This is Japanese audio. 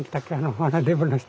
デブの人。